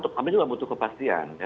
kami juga butuh kepastian